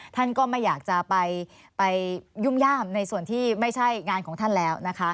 ท่านก็ไม่อยากจะไปยุ่มย่ามในส่วนที่ไม่ใช่งานของท่านแล้วนะคะ